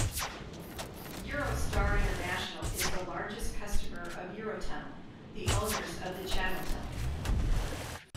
Eurostar International is the largest customer of Eurotunnel, the owners of the Channel Tunnel.